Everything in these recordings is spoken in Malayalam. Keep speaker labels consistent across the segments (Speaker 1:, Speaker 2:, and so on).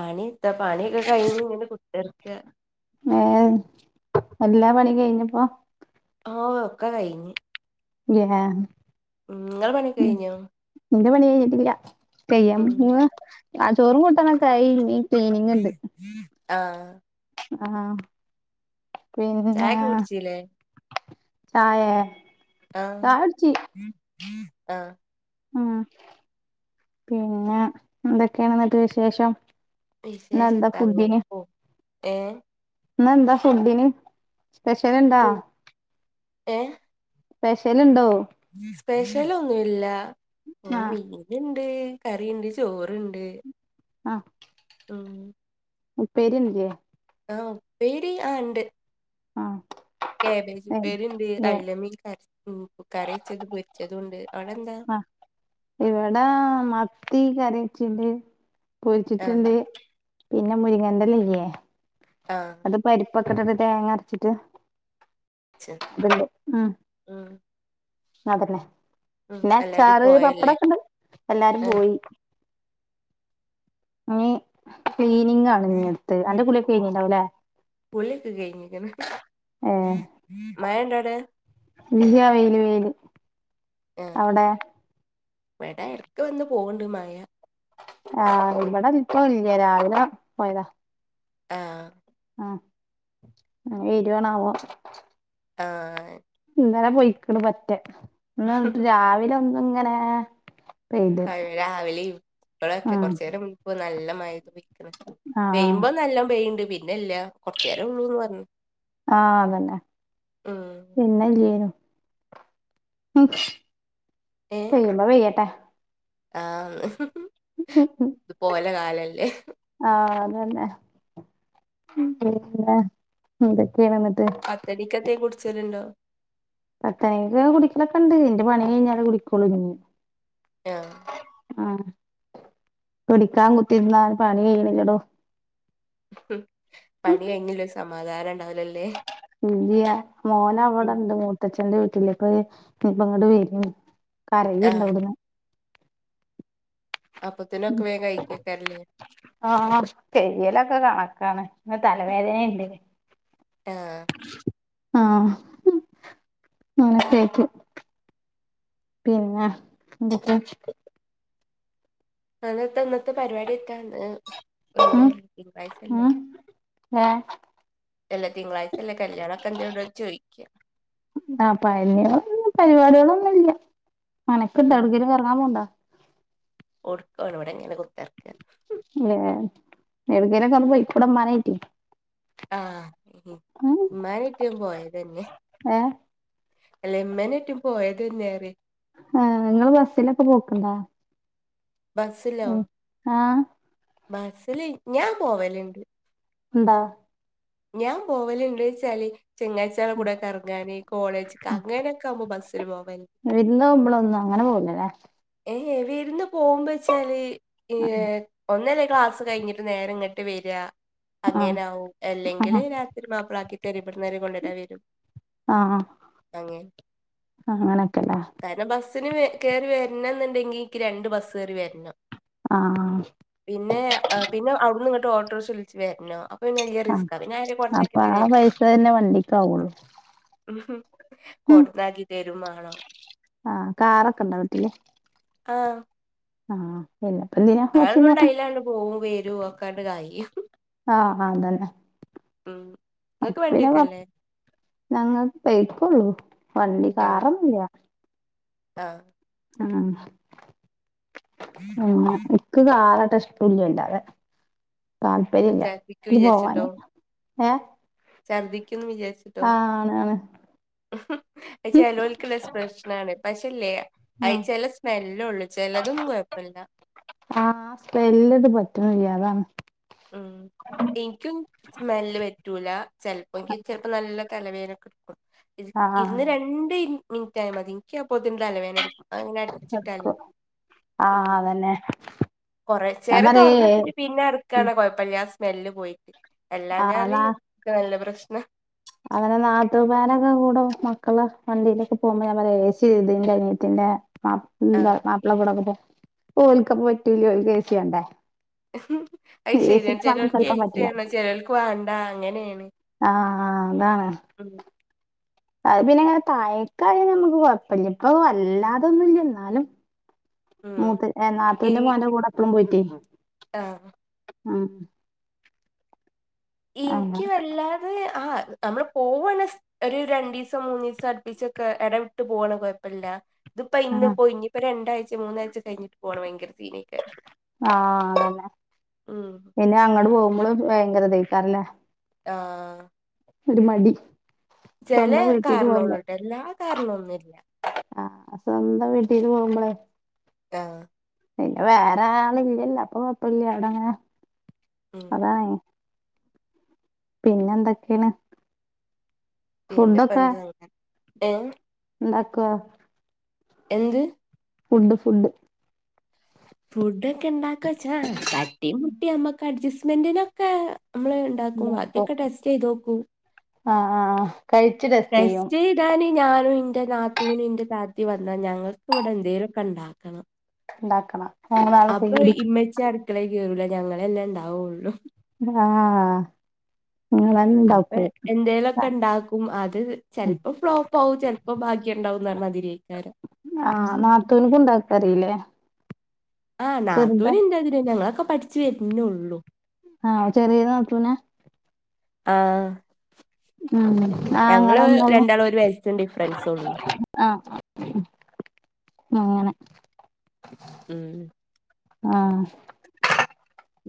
Speaker 1: പണി എത്ത പണിയൊക്കെ കഴിഞ്ഞഞ് ഇങ്ങനെ കുത്തർക്ക്
Speaker 2: ഏ എല്ലാ പണിം കഴിഞ്ഞപ്പോ
Speaker 1: ആഹ് ഒക്കെ കഴിഞ്ഞ്
Speaker 2: [unintelligible]
Speaker 1: ഉം ങ്ങളെ പണ്യൊക്കെ കഴിഞ്ഞോ
Speaker 2: ന്റെ പണി കഴിഞ്ഞിട്ടില്ല കയ്യാൻ
Speaker 1: ഉം
Speaker 2: പോവആഹ് ചോറും കൂട്ടാനൊക്കെ ആയി നി ക്ലീനിങ്ണ്ട്
Speaker 1: ആഹ്
Speaker 2: ആഹ് പിന്നെ
Speaker 1: ചായൊക്കെ കുടിച്ചില്ലേ
Speaker 2: ചായേ
Speaker 1: ആഹ്
Speaker 2: ചായ കുടിച്ച്
Speaker 1: ആഹ്
Speaker 2: ആ പിന്നെ എന്തൊക്കെയാണ് എന്നിട്ട് വിശേഷം ഇന്ന് എന്താ
Speaker 1: വിശേഷത്ത അങ്ങനെ പോ ഏഹ
Speaker 2: എന്ന് എന്താ ഫുഡിന് സ്പെഷ്യല്ണ്ടാ
Speaker 1: ഉം ഏഹ്
Speaker 2: സ്പെഷ്യലോണ്ടോ
Speaker 1: സ്പെഷ്യലൊന്നുല്ല
Speaker 2: ആ
Speaker 1: മീന് ണ്ട് കറിണ്ട് ചോറുണ്ട്
Speaker 2: ആഹ്
Speaker 1: ആ
Speaker 2: ഉപ്പേരില്ലേ
Speaker 1: ആഹ് ഉപ്പേരി ആ ഉണ്ട്
Speaker 2: ആ
Speaker 1: കേബേജ്
Speaker 2: ഏ
Speaker 1: ഉപേരിണ്ട്
Speaker 2: ഏ
Speaker 1: അയ്ലമീൻ ക ഉം കറിവെച്ചതും പൊരിച്ചതും ഉണ്ട് അവിടെ എന്താ
Speaker 2: ഇവിടാ മത്തി കറിച്ചണ്ട് പൊരിച്ചിട്ടുണ്ട്
Speaker 1: ആഹ്
Speaker 2: പിന്നെ മുരിങ്ങന്റല്ലല്ലേ
Speaker 1: ആഹ്
Speaker 2: അത് പരിപ്പൊക്കെട്ടിട്ട് തേങ്ങ അരച്ചിട്ട്
Speaker 1: ച
Speaker 2: ബണ്ട് ആ
Speaker 1: ഉം
Speaker 2: സാധനെ
Speaker 1: ഉം
Speaker 2: പിന്നെ
Speaker 1: എല്ലാരും
Speaker 2: അചാറ്
Speaker 1: പോയല്ലേ
Speaker 2: പപ്പടൊക്കെണ്ട് എല്ലാരും
Speaker 1: ആഹ്
Speaker 2: പോയി ഉം... ക്ലീനിങ് ആണ് ഇനി അടുത്ത്. എന്റെ കുളിക്ക്..... പിന്ന ഉണ്ടാവും അല്ലെ??
Speaker 1: കുളിയൊക്കെ കഴിഞ്ഞിക്കണ്.
Speaker 2: ഏ
Speaker 1: മഴയുണ്ടോ അവിടെ?
Speaker 2: ഇല്ല്യ, വെയില് വെയിലു...
Speaker 1: ആഹ്, ഇവിടെ എടക്ക് വന്ന് പോകണ്ട് മഴ.
Speaker 2: ആഹ് ഇവിടെ ഇപ്പ ഇല്ല. രാവിലെ പോയതാ.
Speaker 1: ആഹ്! !
Speaker 2: ആഹ്! മഴ വരുവാണോ ആാവോ?
Speaker 1: ആഹ്! !
Speaker 2: ഇന്നലെ പോയിക്കണ് പറ്റേ, എന്നിട്ട് രാവിലെ ഒന്നു ഇങ്ങനെ...... പെയ്ത്
Speaker 1: രാവിലെ
Speaker 2: ആ
Speaker 1: ഇപ്പളൊക്കെ കൊറച്ചു നേരം നല്ല മഴ ആയി പോയി.....
Speaker 2: ആ
Speaker 1: പെയ്യുമ്പം നല്ലം പെയ്യണ്ട്, പിന്നെ ഇല്ല കൊറച്ച നേരം ഉള്ളൂന്ന് പറഞ്ഞു....
Speaker 2: ആഹ് അതന്നെ!
Speaker 1: ഉം
Speaker 2: പിന്നെല്ലേന്നു.... ഉം...
Speaker 1: ഏഹ്
Speaker 2: പെയ്യ്മ്പോ പെയ്യട്ടെ! !
Speaker 1: ആഹ്! ഹ്ഹ ഹ്ഹ ഹ! ഇത് പോലെ കാലല്ലേ?
Speaker 2: ആഹ്! അതന്നെ! പിന്നെ എന്തോ ക്കെയണെന്നിട്ടു??
Speaker 1: പത്തടിക്കത്തേ കുടിച്ചരുണ്ടോ..?
Speaker 2: പത്തയിന കുടിക്കളൊക്കെ ഉണ്ട്. എന്റെ പണി കഴിഞ്ഞാല് കുടിക്കോളൂ ഇനി
Speaker 1: ആഹ്! !
Speaker 2: ആഹ്! കുടിക്കാൻ കുത്തിരുന്നാൽ പണി ചെയ്യണടോ
Speaker 1: ഹം... പണി കഴിഞ്ഞില്ലോ സമാധാനം ഉണ്ടാവലല്ലേ?
Speaker 2: ഇല്ല്യ.. മോനവിടെണ്ട് മൂത്ത.... മുത്തച്ഛന്റെ വീട്ടിലിപ്പൊ ഇനിപ്പ അങ്ങോട് വരും കറി ഇല്ല...
Speaker 1: ആഹ് അപ്പൊത്തിനൊക്കെ വേഗം കഴിക്കൊക്കല്ലേ..
Speaker 2: ആഹ്... പെരിയലൊക്കെ കണക്കാണ് ഇ തലവേദനുണ്ട്.
Speaker 1: ആഹ്! !
Speaker 2: ആഹ്... ഹ്ഹ കേട്ട്... പിന്നെ എന്തൊക്കെയ...
Speaker 1: അന്നത്തെ അന്നത്തെ പരിപാടിയൊക്കെ ഉണ്ട്.... ഒ
Speaker 2: ഉം
Speaker 1: തിങ്കളാഴ്ചല്ലേ
Speaker 2: ഉം ഏഹ്
Speaker 1: എല്ല തിങ്കളാഴ്ച... ല്ല കല്യാണംക്കെ എന്തോട് ചോദിക്ക്യ
Speaker 2: ആ പഴയ പരിപാടികളൊന്നുംല്ല. മനക്ക്
Speaker 1: ഉം
Speaker 2: ഇണ്ടവിടുല് കറങ്ങാൻ പോണ്ട.
Speaker 1: കൊടുക്കുവാണിവിടെ ങ്ങനെ കൊടുക്കാർ
Speaker 2: ഏഹ് എടക്കയിലക്കെ പൊയ്ക്കൂടെ മഴയായിട്ട്
Speaker 1: ആഹ്
Speaker 2: ഉം
Speaker 1: ഇമ്മടെ കെട്ടിയോൻ പോയതന്നെ
Speaker 2: ഏ
Speaker 1: ഇളയമ്മേടെ കെട്ടിയോൻ പോയത് തന്ന
Speaker 2: ആഹ് നിങ്ങള് ബസ്സിലൊക്കെ പോക്കൊണ്ടാ?
Speaker 1: ബസ്സില്ലോ?
Speaker 2: ആഹ്
Speaker 1: ബസില് ഞാൻ പോവലുണ്ട്
Speaker 2: ന്താ?
Speaker 1: ഞാൻ പോവലുണ്ട് ചെലയ്ൻ [unintelligible] കൂടെ കറങ്ങാന്, കോളേജ്ക്ക അങ്ങനൊക്കെ ആകുമ്പോ ബസിൽ പോവല്
Speaker 2: എന്നും നമ്മളൊന്നും അങ്ങനെ പോവുലല്ലേ?
Speaker 1: ഏഹ് ഇവിടിന്നു പോകുമ്പോ വെച്ചാല് ഈ ഒന്നല്ലേ ക്ലാസ് കഴിഞ്ഞി നേരെ ഇങ്ങട്ട് വരിക
Speaker 2: ആഹ്
Speaker 1: അങ്ങനാവും അല്ലെങ്കിൽ
Speaker 2: ആഹ്
Speaker 1: രാ മാപ്പിളാകിതരും ഇവിടെന്ന് നേരെകൊണ്ടുവിടാൻ വരും.
Speaker 2: ആഹ്
Speaker 1: അങ്ങനെ
Speaker 2: ആഹ് അങ്ങനെയക്കെല്ലേ?
Speaker 1: പിന്നെ ബസ്സിനു വേ കേറി വര്ണം എന്നുണ്ടെങ്കിൽ, എനിക്ക് രണ്ട് ബസ്സ് കയറി വരണം.
Speaker 2: ആഹ് അഹ്
Speaker 1: പിന്നെ പിന്നെ അവിടുന്ന് ഇങ്ങോട്ട് ഓട്ടോർക്ഷ വിളിച്ച് വര്ണം.
Speaker 2: ആഹ് അപ്പൊ ആ പൈസ തന്നെ വണ്ടിക്കാവൊള്ളൂ.
Speaker 1: ഉംഹ് കൊടുന്നാക്കി തരു മാണം.
Speaker 2: ആഹ് കാറൊക്കൊണ്ടാ വീട്ടില്.
Speaker 1: ആഹ്മ്
Speaker 2: ആഹ് പിന്നെപ്പെന്തിനാ? ബസ്സിന് പോണെ
Speaker 1: അതൊന്നുണ്ടായീല പോവോം വരോം ഒക്കെട്ട് കാര്യം ഉംഹ്
Speaker 2: ആഹ് അതന്നെ. അപ്പ
Speaker 1: നിങ്ങക്ക് വണ്ടിയൊക്കെ
Speaker 2: പിന്നെവാ
Speaker 1: അല്ലേ
Speaker 2: ഞങ്ങൾക്ക് ബൈക്കൊള്ളു വണ്ടി കാറൊന്നില്ല.
Speaker 1: ആഹ്
Speaker 2: ആഹ് ഞങ്ങക്ക് കാർ [unintelligible] തുല്യമില്ലാതെ താല്പര്യ ഇല്ല
Speaker 1: ഛർദിക്ക്
Speaker 2: പോവാന് ഏഹ്
Speaker 1: ഛർദിക്കുംന്ന് വിചാരിച്ചിട്ടോ
Speaker 2: ആഹ് ആണ് ആണ്
Speaker 1: ഉംഹ്
Speaker 2: ഉം
Speaker 1: ചെലോൽക്ക് ളള. പ്രശ്നാണ് പക്ഷേല്ലേ അത്
Speaker 2: ആഹ്
Speaker 1: ചെല സ്മെല്ലൊള്ളു ചെലതൊന്നും കുഴപ്പല്ല.
Speaker 2: ആഹ് സ്മെല്ലത് പറ്റണില്ല അതാണ്.
Speaker 1: ഉം ഇനിക്കും സ്മെല്ല് പറ്റൂല ചെല്പ്പോ എ നല്ല തലവേദനൊക്കെ എടുകും
Speaker 2: ആഹ്
Speaker 1: ഇന്ന് രണ്ട് മിനുറ്റായ മതി ഇൻക്ക് അപോത്തിന് തലവേദനിടു
Speaker 2: എടുക്കും ആഹ് അതന്നെ. ഞാൻ
Speaker 1: കൊറചേര
Speaker 2: പറയേ
Speaker 1: തുറന്നിട്ടിട്ട് പിന്നെ അത് അടക്കാണെ കൊഴപ്പല്ല സ്മെല്ല് പോയി കിട്ടും
Speaker 2: ആഹ്
Speaker 1: അല്ലാഞ്ഞാല്
Speaker 2: നാ
Speaker 1: ഇൻക് നല്ല പ്രശ്ന.
Speaker 2: അങ്ങനെ നാത്തൂമാരൊക്കെ കൂടെ മക്കള് വണ്ടിയിലൊക്കെ പോകുമ്പോൾ ഞാൻ പറയും എസി ഇട് ഇതിന്റെ അനിയത്തിന്റെ. മാപ്പിള്ള
Speaker 1: ആഹ്
Speaker 2: മാപ്പിള ഇവിടാകുമ്പോ ഓല്ക്ക് അപ്പൊ പറ്റൂല ഓൽക്ക് എസിയാണ്ടേ.
Speaker 1: ഉംഹ് അത് ശരിയാണ്
Speaker 2: വെള്ളം
Speaker 1: ചിലവർക്ക് എ
Speaker 2: കേൾക്കാൻ
Speaker 1: സി
Speaker 2: പറ്റില്ല
Speaker 1: വേണം ചിലവൾക്ക് വേണ്ട അങ്ങനെയാണ്.
Speaker 2: ആഹ് ആഹ് അതാണ്. അത് പിന്നെ ഇങ്ങനെ താഴെക്കാണേൽ നമുക്ക് കുഴപ്പില്ല ഇപ്പ വല്ലാതൊന്നുല്ല എന്നാലും.
Speaker 1: ഉം
Speaker 2: മൂത്ത നാത്തുന്റെ മോന്റെ കൂടെ എപ്പഴും പോയിട്ട്
Speaker 1: ആ
Speaker 2: ആഹ് അങ്ങനെ
Speaker 1: ഇന്ക്ക് വല്ലാതെ ആ നമ്മള് പോവണ ഒരു രണ്ടിസം മൂന്നിസം അടുപ്പിച്ചൊക്കെ ഇടവിട്ട് പോവാണേൽ കുഴപ്പല്ല. ഇതിപ്പോ ഇന്ന്
Speaker 2: ആഹ്
Speaker 1: പോയി ഇനിപ്പോ രണ്ടാഴ്ച്ച മൂന്നാഴ്ച കഴിഞ്ഞിട്ട് പോണം ഭയങ്കര സീനെക്കാരും.
Speaker 2: ആഹ് അതന്നെ പിന്നെ അങ്ങട് പോവുമ്പളും ഭയങ്കരതക്കാരല്ലെ
Speaker 1: ആഹ്
Speaker 2: ഒരു മടി
Speaker 1: ചെലെ
Speaker 2: സ്വന്തം വീട്ടീക്ക് പോകുമ്പോ
Speaker 1: കാറിനൊള്ളുട്ടോ എല്ലാകാറിനൊന്നുല്ല
Speaker 2: ആഹ് സ്വന്തം വീട്ടീ്ന്ന് പോവുമ്പളെ.
Speaker 1: ആ
Speaker 2: പിന്നെ വേറെ ആള് ഇല്ലല്ലോ അപ്പൊ കൊഴപ്പല്ല അവിടങ്ങെനെ
Speaker 1: ഉം
Speaker 2: അതാണ്. പിന്നെന്തെക്കെണ്.
Speaker 1: പിന്നെപ്പെന്ത്‌ അങ്ങനെ ഏഹ്
Speaker 2: ന്താക്കുവാ
Speaker 1: എന്ത്
Speaker 2: ഫുഡ് ഫുഡ്
Speaker 1: ഫുഡ ഒക്കെ ഇണ്ടാക്കച്ചാ തട്ടിമുട്ടി നമ്മക്ക് അഡ്ജസ്റ്റ്മെന്റിലൊക്കെ നമ്മള് ണ്ടാകും വാക്കിഒക്കെ ടെസ്റ്റ്യ്തോക്കും.
Speaker 2: ആഹ് ആഹ് ആഹ് കഴിച്ച് തെ
Speaker 1: ടെസ്റ്റെയ്ത് ഞാന് ഞാനും ഇന്റെ നാത്തൂനും ഇന്റെ താത്തി വന്നാ ഞങ്ങൾക്ക് ഇവിടെ എന്തേലൊക്കെ ഇണ്ടാക്കണം.
Speaker 2: ഉണ്ടാക്കണം മൂന്നാളുംകൂടി
Speaker 1: മ്മച്ചി അട് ക്കളേ കേറൂല്ല ഞങ്ങളെന്നെണ്ടാവൊള്ളൂ
Speaker 2: ആഹ് നിങ്ങളെ
Speaker 1: അപ്പെ എന്തേലൊ ക്ക ഉണ്ടാക്കും അത് ചെൽപ്പ ഫ്ലോപ്പ്ആവും ചെൽപ്പം ഭാഗ്യണ്ടാവുംന്നർഞാതിരി
Speaker 2: ആഹ് നത്തൂൻക്കു ഉണ്ടാക്കഅറീലെ
Speaker 1: ആഹ് നാത്തൂന് ഇന്റാതിരിന്നെ ഞങ്ങളൊക്കെ പഠിച്ചുവര്നൊള്ളൂ
Speaker 2: ആഹ് ചെറീനാത്തൂന
Speaker 1: ആഹ്
Speaker 2: ഉം
Speaker 1: ഞങ്ങള്
Speaker 2: ആങ്ങളഒന്നൊള്ളു
Speaker 1: രണ്ടാളും ഒരു വയസ്സിന് ഡിഫറൻസൊള്ളു.
Speaker 2: ആഹ് അങ്ങനെ
Speaker 1: ഉം
Speaker 2: ആഹ്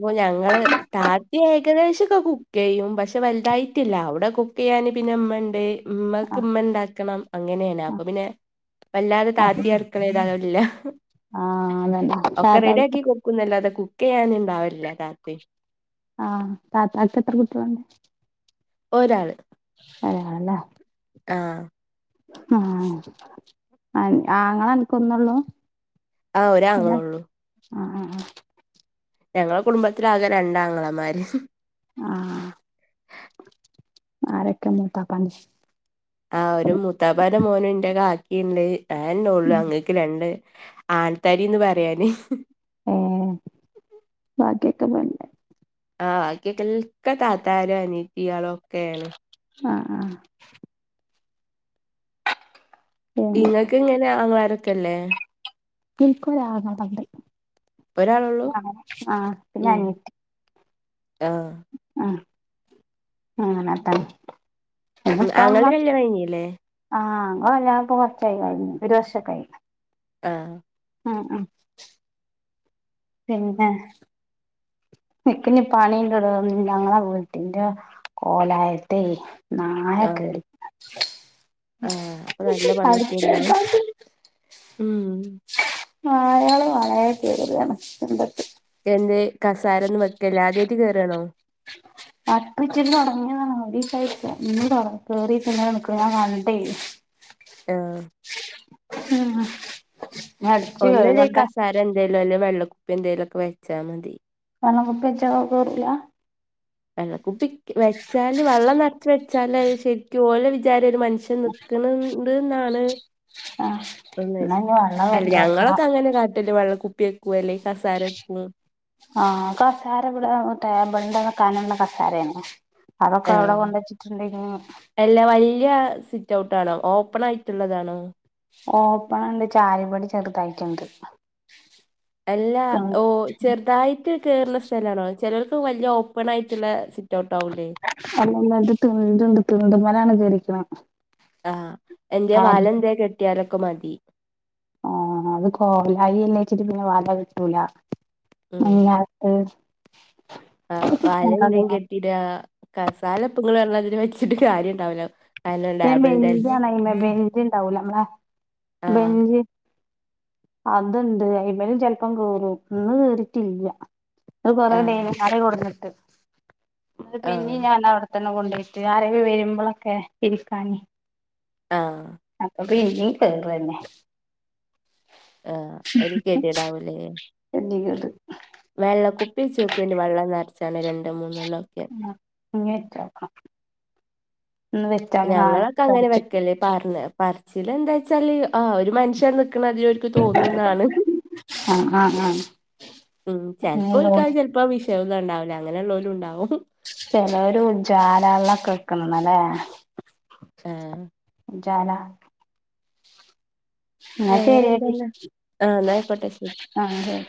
Speaker 1: ഓ ഞങ്ങള് താത്തിയ ഏകദേശക്കെ കുക്കയ്യും പക്ഷെ വലുതായിട്ടില്ല അവിടെ കു ക്കെയാന് പിന്നമ്മണ്ട് ഉമ്മക്ക്
Speaker 2: ആ ആ
Speaker 1: ഉമ്മ ഉണ്ടാക്കണം അങ്ങനെയാണ് അപ്പൊ പിന്നെ വല്ലാതെ
Speaker 2: അപ്പൊ
Speaker 1: താത്തിഅട് ക്കളെല് തലടില്ല
Speaker 2: ആ അതന്നെ
Speaker 1: ഒക്കെ
Speaker 2: താത്താക്ക്
Speaker 1: റെഡിആക്കി കൊട്ക്കുന്നല്ലാതെ കുക്കയ്യാന് ഉണ്ടാവില്ല താത്തിം
Speaker 2: ആഹ് താത്തക്ക് എത്ര കുട്ട്യള്ണ്ട്
Speaker 1: ഒരാള്
Speaker 2: അയാന
Speaker 1: ആഹ്
Speaker 2: ആഹ് ആങ്ങളൻക്ക്ഒന്നള്ളൂ
Speaker 1: ആഹ് ഒരാങ്ങളൊള്ളൂ
Speaker 2: അഹ് അഹ് അഹ്
Speaker 1: ഞങ്ങളെ കുടുംബത്തിലാകെ രണ്ടാങ്ങളമാര്
Speaker 2: ആഹ് ആരക്കെ മൂത്താപ്പാന്റെ
Speaker 1: ആഹ് ഒരു മുത്താപ്പാന്റ മോനുണ്ട് കാക്കിണ്ട് ഞാനെള്ളു ഞങ്ങക്ക് രണ്ട് ആൽത്താരിന്ന് പറയാന്
Speaker 2: ഏഹ് ബാക്കിയൊക്കെ വേണ്ടേ
Speaker 1: ആഹ് ബാക്കി എൽക്ക താത്താരും അനത്തിയാളോക്കെയാണ്
Speaker 2: ആഹ് ആഹ് പിന്നെ
Speaker 1: ഇങ്ങക്ക് ഇങ്ങനെ ആങ്ങളാരൊക്കെല്ലേ
Speaker 2: [unintelligible]
Speaker 1: ഒരാളൊള്ളൂ
Speaker 2: ആഹ് പിന്നെ
Speaker 1: ഉം
Speaker 2: അനിയത്തി
Speaker 1: ആഹ്
Speaker 2: ഉം അങ്ങനെതന്നെ
Speaker 1: ഉം
Speaker 2: ഉപ്പമ്മ
Speaker 1: ആങ്ങളടെ കല്യാണം കഴിഞ്ഞില്ലേ
Speaker 2: ആഹ് ഓ ഞാനിപ്പ കൊറച്ചായി [unintelligible] ഒരു വർഷൊക്കായി
Speaker 1: ആഹ്
Speaker 2: ആഹ് ആഹ് പിന്നെ നിക്കിനി പണിണ്ടട ഞങ്ങള വീട്ടിന്റ കോലായത്തെ നായ
Speaker 1: ആഹ്
Speaker 2: കേറി
Speaker 1: ആഹ് അപ്പൊ നല്ല പണി കിട്ടിയല്ലോ
Speaker 2: [unintelligible]
Speaker 1: ഉം
Speaker 2: നായള് [unintelligible] ടി പെണ്ണെ എന്തൊക്കെ
Speaker 1: എന്തെ കസാര ഒന്നും വെക്കല്ലേ ആദ്യവായിട്ട് കേറുവാണോ
Speaker 2: ആഹ് ഇപ്പ ഇച്ചിരി തുടങ്ങിയതാണ് [unintelligible]
Speaker 1: ആഹ്
Speaker 2: ആഹ്
Speaker 1: ഒന്നൂല്ലെങ്കി കസാര എന്തേലുംഅല്ലെ വെള്ളക്കുപ്പിഎന്തെലൊക്കെ വെച്ചാ മതി
Speaker 2: വള്ളക്കുപ്പിവെച്ചാ കേറൂല
Speaker 1: വെള്ളക്കുപ്പി വെച്ചാല് വള്ളംനർച്ച് വെച്ചാലത് ശെരിക്കും ഓലെ വിചാരം ഒര് മൻ പക്ഷെ നിക്ക്‌ണ് ണ്ട്ന്നാണ്
Speaker 2: ആഹ്
Speaker 1: ഒന്ന്
Speaker 2: എന്നാ ഇനി വെള്ളം വെച്ചോക്കണം
Speaker 1: അല്ലഞങ്ങളൊക്കെ അങ്ങനക ട്ട്ല് വള്ളക്കുപ്പിവെക്കു അല്ലെങ്കി കസാരവെക്കും
Speaker 2: ആഹ് കസേര ഇവിട ടേബിളിന്റെ കനവുള്ള കസാരയാണ അതൊക്കെവുടെ കൊണ്ടെച്ചിട്ടുണ്ടെങ്കി
Speaker 1: എല്ല വല്യസിറ്റ്ഔട്ടാണോ ഓപ്പൺ ആയിട്ടുള്ളതാണോ
Speaker 2: ഓപ്പണല്ല ചാരുപടി ചെറുതായിറ്റ്ണ്ട്
Speaker 1: അല്ലാ ഓഹ് ചെർതായി കേർണസ്ഥലാണോ ചിലർത് വല്യ ഓപ്പണായിട്ട്ള്ള സിറ്റ്ഔട്ട്ആവൂലേ
Speaker 2: അല്ലല്ല ഇത് തീണ്ട്ണ്ട് തീണ്ട്മ്മേലാണ് കേറീക്ക്ണ
Speaker 1: ആഹ് എന്തേവാലന്തേ കെട്ടിയാലൊക്കെ മാക്കി
Speaker 2: ആഹ് അത് കോലായി അല്ലേച്ചിട്ട് പിന്നെ വാടക കിട്ടൂല
Speaker 1: ഉം
Speaker 2: അതിനാത്ത്
Speaker 1: ആഹ് വലഎന്തേ കെട്ടിടാ കസാല പ്പങ്ങള് അമ്മാതിരി വെച്ചിട്ട് കാര്യഇണ്ടാവൂല [unintelligible] ലാബ്ന്റല്ലേ
Speaker 2: ത്ഇണ്ടാവൂല മ്മള ബെഞ്ച് അത്ണ്ട് അയ്മലുംചെൽപ്പം കേറും ന്ന്കേറിട്ടില്ല. അഹ്കൊറെ
Speaker 1: ആഹ്
Speaker 2: ഡൈനിങ്ഹാളിൽ കൊട്ന്നിട്ട്
Speaker 1: ആഹ്
Speaker 2: ഇന്ന്പിന്നിം ഞാനവുട് തന്നെ കൊണ്ടോയ്ട്ട് ആരെങ്കിലും വെരുമ്പളൊക്കെ ഇരിക്കാന്
Speaker 1: ആഹ്
Speaker 2: പിന്നിംകേറന്നെ
Speaker 1: ഏഹ് ഒര്ഗെതിയെടാവുംലെ
Speaker 2: കെതികേട്
Speaker 1: വെള്ളകുപ്പിവെച്ചോക്ക് അയിന്റെ വള്ളംനർച്ചാണ്ട് രണ്ടോമൂന്നെണ്ണംഒക്കെ
Speaker 2: അങ്ങേയറ്റം ആഹ് ഇന്ന് വെച്ചാല് നാളെ
Speaker 1: ഞങ്ങളൊക്കെ അങ്ങനെ
Speaker 2: തൊടച്ചിട്ട്
Speaker 1: വെക്കല് പറഞ്ഞ് പറച്ചില്എന്താച്ചാല് ആഹ് ഒര് മനുഷ്യൻ നിക്ക്ണാതിരി ഒര് നിക്ക് തോന്നുന്നാണ്
Speaker 2: ആഹ് ആഹ് ആഹ്
Speaker 1: ഉം
Speaker 2: ഇഞ്ഞ്
Speaker 1: ചെൽപ്പോ
Speaker 2: ലോൾ
Speaker 1: [unintelligible] ഇപ്പവിഷയൊന്നുണ്ടാല്ല അങ്ങനെയുള്ളൊലും ഇണ്ടാവും
Speaker 2: ചേലോല് ഉജാലവെള്ളോകെക്ക്ണല്ലേ
Speaker 1: ഏഹ്
Speaker 2: ഉജാല എന്നാ ശരി
Speaker 1: വേറെന്തന്ന ആഹ് എന്നാ ആയ്ക്കോട്ടെശെരി
Speaker 2: ആഹ്ശെരി.